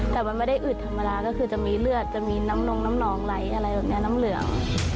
แต่มันไม่ได้อืดธรรมดาก็คือจะมีเลือดจะมีน้ำนงน้ำนองไหลอะไรแบบนี้น้ำเหลือง